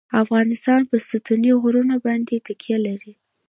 افغانستان په ستوني غرونه باندې تکیه لري.